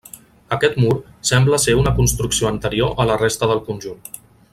Aquest mur sembla ser una construcció anterior a la resta del conjunt.